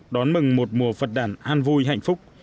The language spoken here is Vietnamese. đón mừng một mùa phật đản an vui hạnh phúc